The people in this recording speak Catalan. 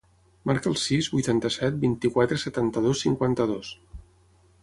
Marca el sis, vuitanta-set, vint-i-quatre, setanta-dos, cinquanta-dos.